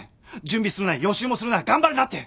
準備するな予習もするな頑張るなって！